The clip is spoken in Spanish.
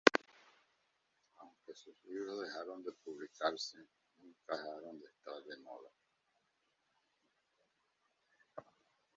Aunque sus libros dejaron de publicarse, nunca dejaron de estar de moda".